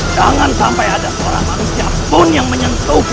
jangan sampai ada seorang manusia pun yang menyentuh